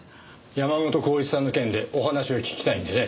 山本幸一さんの件でお話を聞きたいんでね。